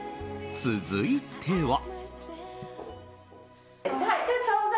続いては。